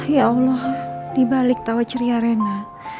ya allah dibalik tawa ceria rena